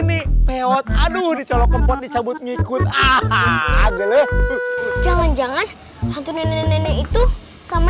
nih peot aduh dicolok ke pot dicabut ngikut ah ah jangan jangan hantu nenek itu sama